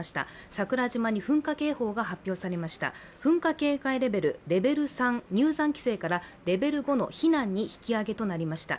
桜島に噴火警報が発表されました噴火警戒レベル３入山規制からレベル５の避難に引き上げとなりました